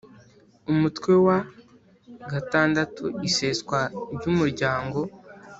Umutwe wa vi iseswa ry umuryango